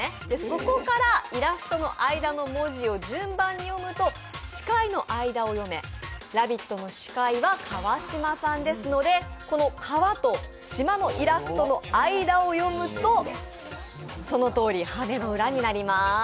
そこからイラストの間の文字を順番に読むと司会の間を読め「ラヴィット！」の司会は川島さんですので、この「川」と「島」の間のイラストを読むとそのとおり、「羽の裏」になります。